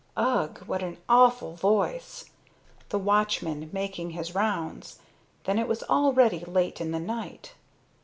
Ugh, what an awful voice! The watchman making his rounds. Then it was already late in the night.